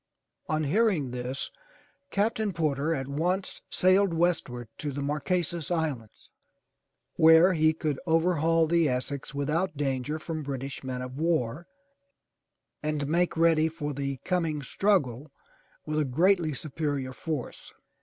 On hearing this. Captain Porter at once sailed westward to the Mar que'sas Islands where he could overhaul the Essex without danger from British men of war and make ready for the coming struggle with a greatly superior force.